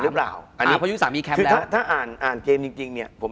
คุณผู้ชมบางท่าอาจจะไม่เข้าใจที่พิเตียร์สาร